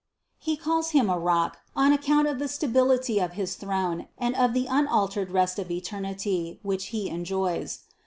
He calls Him rock, on account of the stability of his throne and of the unaltered rest of eternity which He enjoys.